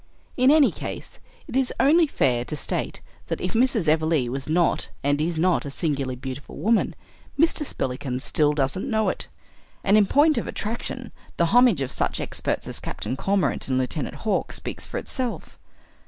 In any case, it is only fair to state that if Mrs. Everleigh was not and is not a singularly beautiful woman, Mr. Spillikins still doesn't know it. And in point of attraction the homage of such experts as Captain Cormorant and Lieutenant Hawk speaks for itself.